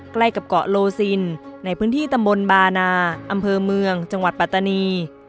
ใกล้กับเกาะโลซินในพื้นที่ตำบลบานาอำเภอเมืองจังหวัดปัตตานี